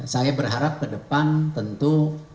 saya berharap ke depan tentu